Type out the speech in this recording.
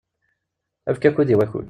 Efk akud i wakud.